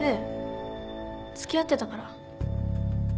付き合ってたから。